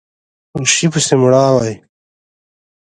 شي پسې مړاوی